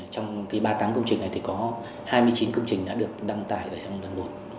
trong ba mươi tám công trình này thì có hai mươi chín công trình đã được đăng tải ở trong lần một